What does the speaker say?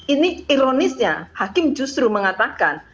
ini ironisnya hakim justru mengatakan